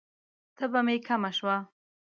تبه می کمه شوه؟